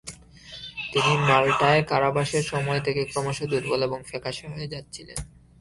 তিনি মাল্টায় কারাবাসের সময় থেকে ক্রমশ দুর্বল এবং ফ্যাকাশে হয়ে যাচ্ছিলেন।